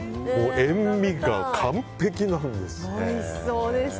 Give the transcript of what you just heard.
塩みが完ぺきなんですね。